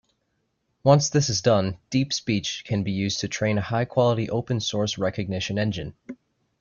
Once this is done, DeepSpeech can be used to train a high-quality open source recognition engine.